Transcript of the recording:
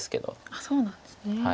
あっそうなんですね。